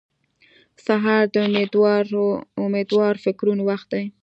سهار د امېدوار فکرونو وخت دی.